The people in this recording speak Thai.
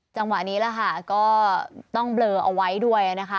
จังหวะนี้แหละค่ะก็ต้องเบลอเอาไว้ด้วยนะคะ